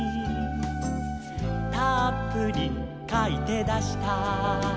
「たっぷりかいてだした」